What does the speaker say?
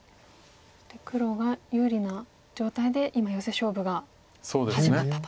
黒が有利な状態で今ヨセ勝負が始まったと。